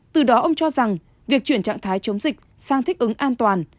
từ đó ông cho rằng việc chuyển trạng thái chống dịch sang thích ứng an toàn